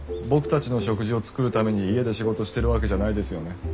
僕たちの食事を作るために家で仕事してるわけじゃないですよね？